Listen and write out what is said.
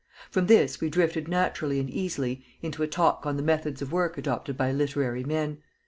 From this we drifted naturally and easily into a talk on the methods of work adopted by literary men.